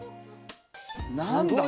何だ？